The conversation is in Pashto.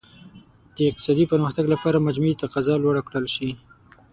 د اقتصادي پرمختګ لپاره مجموعي تقاضا لوړه کړل شي.